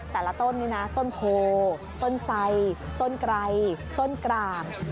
แต่ละต้นนี่นะต้นโพต้นไสต้นไกรต้นกลาง